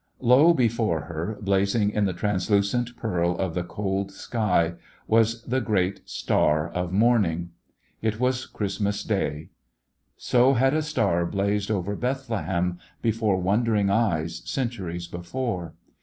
Low before her, blazing in the translucent pearl of the cold sky, was the great star of morning. It was Christmas The West Was Young Day. So had a star blazed over Bethlehem, before wondering eyes, centuries before.